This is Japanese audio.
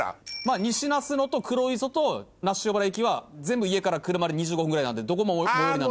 西那須野と黒磯と那須塩原駅は全部家から車で２５分ぐらいなんでどこも最寄りなんですけど。